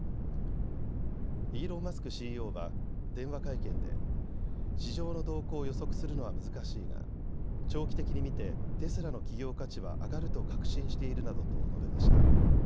イーロン・マスクＣＥＯは電話会見で市場の動向を予測するのは難しいが長期的に見てテスラの企業価値は上がると確信しているなどと述べました。